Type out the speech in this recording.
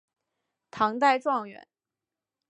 唐代状元。